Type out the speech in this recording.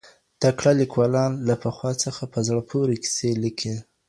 تکړه ليکوالان له پخوا څخه په زړه پوري کيسې ليکي.